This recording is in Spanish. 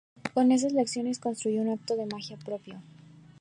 Con esas lecciones construyó un acto de magia propio.